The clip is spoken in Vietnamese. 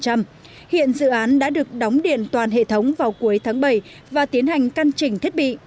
tổng thầu trung quốc đã tổng điện toàn hệ thống vào cuối tháng bảy và tiến hành căn chỉnh thiết bị